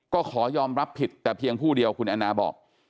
ก็ขอยอมรับผิดแต่เพียงผู้เดียวคุณแอนนาบอก